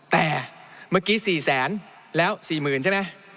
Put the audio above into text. แต่เมื่อกี้๔แสนแล้ว๔๐๐๐ใช่ไหม